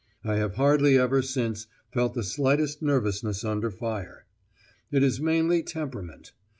I have hardly ever since felt the slightest nervousness under fire. It is mainly temperament.